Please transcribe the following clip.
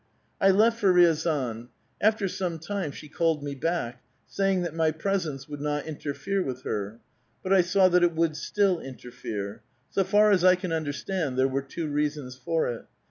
^' I left for Riazan. After some time she called me back, saying that my presence would not interfere with her. But I saw that it would still interfere. So far as I can understand, there were two reasons for it.